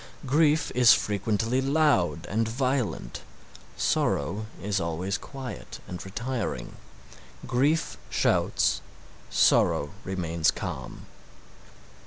Grief is frequently loud and violent, sorrow is always quiet and retiring. Grief shouts, Sorrow remains calm.